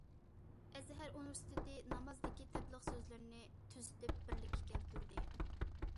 ئەزھەر ئۇنىۋېرسىتېتى نامازدىكى تەبلىغ سۆزلىرىنى تۈزىتىپ بىرلىككە كەلتۈردى.